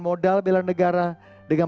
modal bela negara dengan